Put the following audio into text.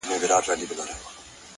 هره لحظه د بدلون فرصت لري،